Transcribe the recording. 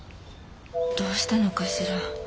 どうしたのかしら。